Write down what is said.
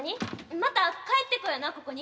また帰ってこよなここに。